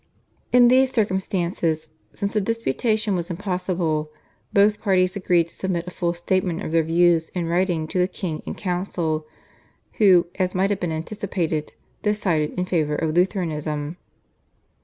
In these circumstances, since a disputation was impossible, both parties agreed to submit a full statement of their views in writing to the king and council, who, as might have been anticipated, decided in favour of Lutheranism.